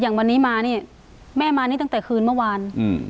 อย่างวันนี้มานี่แม่มานี่ตั้งแต่คืนเมื่อวานอืม